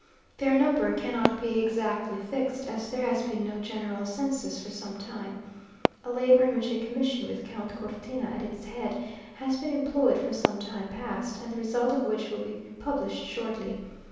Their number cannot be exactly fixed, as there has been no general census for some time; a labour in which a commission, with Count Cortina at its head, has been employed for some time past, and the result of which will be published shortly.